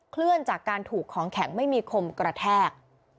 เลื่อนจากการถูกของแข็งไม่มีคมกระแทก